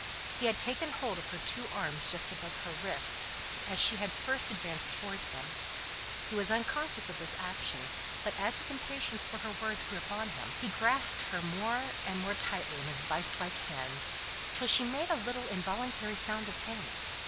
He had taken hold of her two arms just above her wrists, as she had advanced towards him; he was unconscious of this action; but, as his impatience for her words grew upon him, he grasped her more and more tightly in his vice like hands, till she made a little involuntary sound of pain.